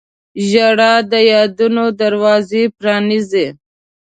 • ژړا د یادونو دروازه پرانیزي.